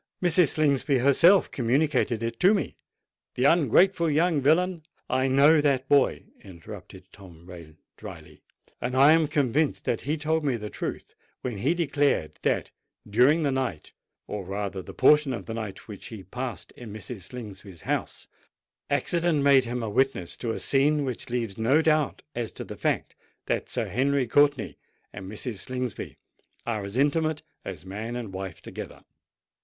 Mrs. Slingsby herself communicated it to me. The ungrateful young villain——" "I know that boy," interrupted Tom Rain drily; "and I am convinced that he told me the truth when he declared that, during the night—or rather the portion of the night, which he passed in Mrs. Slingsby's house, accident made him a witness to a scene which leaves no doubt as to the fact that Sir Henry Courtenay and Mrs. Slingsby are as intimate as man and wife together."